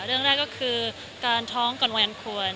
เรื่องแรกก็คือการท้องก่อนวัยอันควร